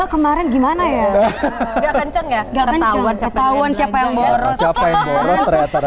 kemarin gimana ya kenceng kenceng siapa yang boros boros